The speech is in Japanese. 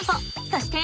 そして！